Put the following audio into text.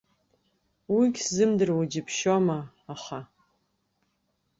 Уигьы сзымдыруа џьыбшьома, аха.